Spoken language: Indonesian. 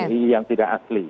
nii yang tidak asli